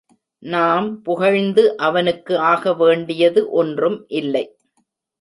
நாம் புகழ்ந்து அவனுக்கு ஆக வேண்டியது ஒன்றும் இல்லை.